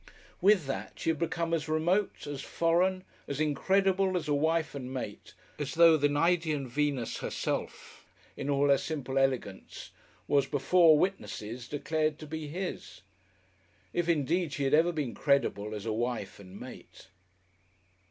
With that, she had become as remote, as foreign, as incredible as a wife and mate, as though the Cnidian Venus herself, in all her simple elegance, was before witnesses, declared to be his. If, indeed, she had ever been credible as a wife and mate.